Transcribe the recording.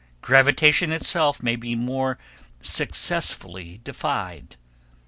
Gravitation itself may be more successfully defied.